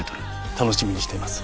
楽しみにしています。